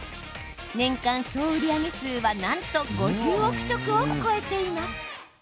年間総売り上げ数はなんと５０億食を超えています。